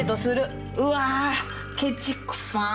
うわケチくさっ。